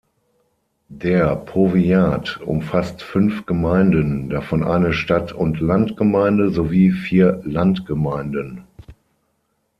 Der Powiat umfasst fünf Gemeinden, davon eine Stadt-und-Land-Gemeinde sowie vier Landgemeinden.